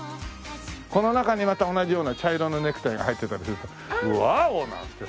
この中にまた同じような茶色のネクタイが入ってたりするとワーオ！なんて。